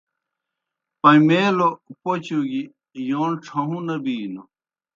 پمَیلوْ پوْچوْ گیْ یون ڇھہُوں نہ بِینوْ۔